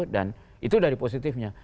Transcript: dan itu dari positifnya